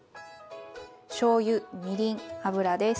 しょうゆみりん油です。